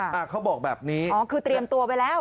เขาบอกแบบนี้อ๋อคือเตรียมตัวไปแล้ว